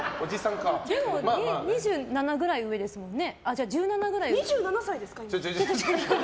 でも、２７くらい上ですもんね。